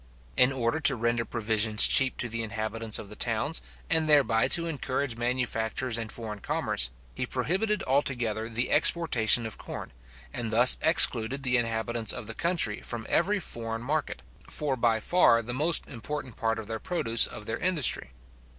In order to render provisions cheap to the inhabitants of the towns, and thereby to encourage manufactures and foreign commerce, he prohibited altogether the exportation of corn, and thus excluded the inhabitants of the country from every foreign market, for by far the most important part of the produce of their industry.